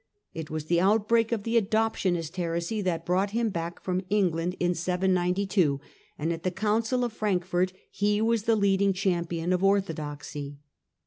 It was the outbreak of the Adoptionist heresy that brought him back from England in 792, and at the Council of Frankfort he was the leading champion of orthodoxy.